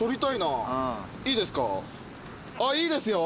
ああいいですよ。